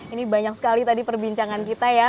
ini banyak sekali tadi perbincangan kita ya